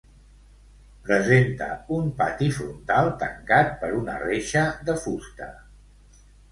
Presenta un pati frontal tancat per una reixa de fusta.